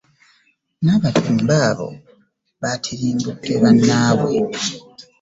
N’abatemu baabo batirimbudde bannaabwe.